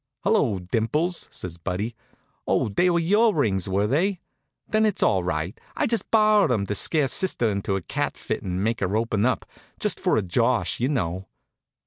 "Hello, Dimples!" says Buddy. "Oh, they were your rings, were they? Then it's all right. I just borrowed 'em to scare sister into a cat fit and make her open up just for a josh, you know."